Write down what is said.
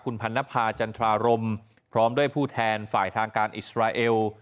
คุณพันนภาจันทรารมพร้อมด้วยผู้แทนฝ่ายทางการอิสราเอล